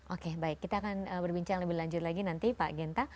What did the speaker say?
oke baik kita akan berbincang lebih lanjut lagi nanti pak genta